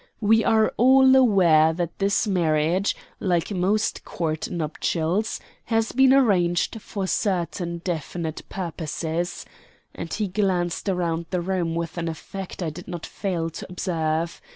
We are all aware that this marriage, like most Court nuptials, has been arranged for certain definite purposes" and he glanced round the room with an effect I did not fail to observe.